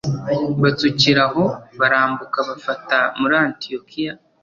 batsukira aho barambuka bafata muri antiyokiya